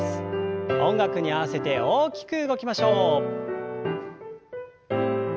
音楽に合わせて大きく動きましょう。